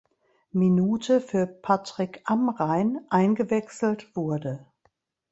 Minute für Patrick Amrhein eingewechselt wurde.